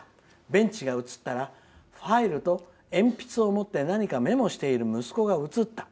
ベンチが映ったらファイルと鉛筆を持って何かメモしている息子が映った。